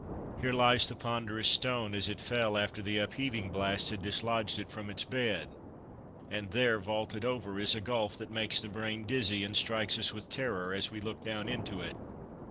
Here lies the ponderous stone as it fell after the upheaving blast had dislodged it from its bed; and there, vaulted over, is a gulf that makes the brain dizzy, and strikes us with terror as we look down into it.